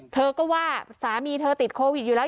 เธอก็ว่าสามีเธอติดโควิดอยู่แล้ว